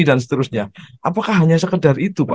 dan seterusnya apakah hanya sekedar itu